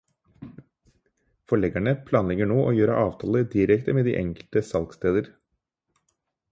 Forleggerne planlegger nå å gjøre avtaler direkte med de enkelte salgssteder.